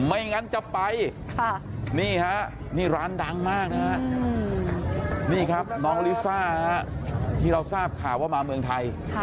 ไม่งั้นจะไปนี่ฮะนี่ร้านดังมากนะฮะนี่ครับน้องลิซ่าที่เราทราบข่าวว่ามาเมืองไทย